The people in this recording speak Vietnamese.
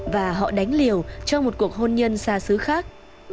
và họ đánh liều cho một cuộc hôn nhân xa xứ khác